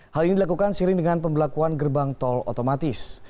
hal ini dilakukan siring dengan pembelakuan gerbang tol otomatis